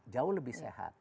jauh lebih sehat